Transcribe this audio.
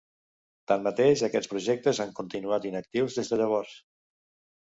Tanmateix, aquests projectes han continuat inactius des de llavors.